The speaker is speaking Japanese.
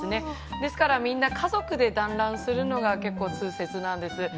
ですからみんな家族で団らんするのが、結構、通説なんです。